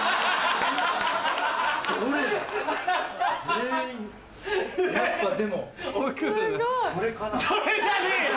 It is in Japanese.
それじゃねえよ！